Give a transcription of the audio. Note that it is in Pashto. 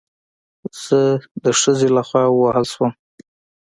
زه د خځې له خوا ووهل شوم